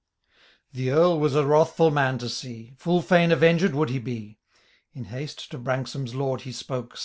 The Earl was a wrathful man to see. Full fiun ayenged would he be. Id haste to Branksome^s Lord he spoke.